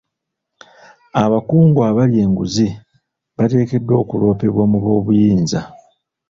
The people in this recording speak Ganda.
Abakungu abalya enguzi bateekeddwa okuloopebwa mu b'obuyinza.